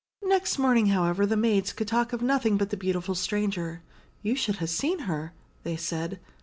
Next morning, however, the maids could talk of nothing but the beautiful stranger. "You should ha' seen her," they said.